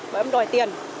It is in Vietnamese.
bọn em đòi tiền